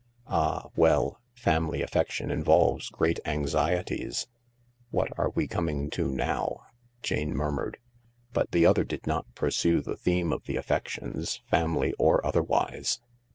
"Ah, well, family affection involves great anxieties." "What are we coming to now ?" Jane murmured, but 212 THE LARK the other did not pursue the theme of the affections, family or otherwise.